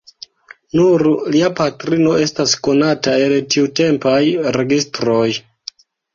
Nur lia patrino estas konata el tiutempaj registroj.